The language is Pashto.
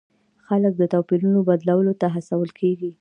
خلک د توپیرونو بدلولو ته هڅول کیږي.